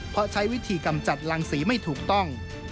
เพราะใช้วิธีกำจัดรังสีไม่ถูกต้อง